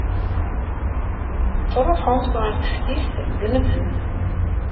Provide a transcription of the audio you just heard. Tettruḥumt ɣer teftist deg unebdu.